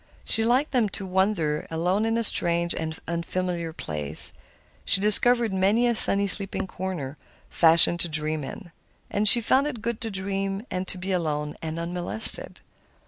She liked then to wander alone into strange and unfamiliar places. She discovered many a sunny, sleepy corner, fashioned to dream in. And she found it good to dream and to be alone and unmolested.